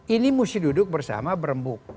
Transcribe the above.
ini mesti duduk bersama berembuk